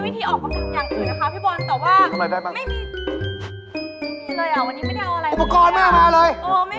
เพราะว่าพี่บอลโทรมาแบบเร็วมากเลย